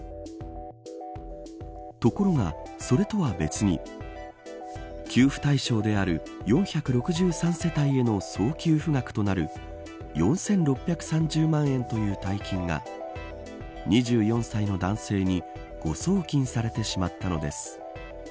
ところが、それとは別に給付対象である４６３世帯への総給付額となる４６３０万円という大金が２４歳の男性に誤送金されてしまったのです。